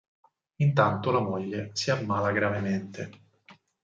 Intanto la moglie si ammala gravemente.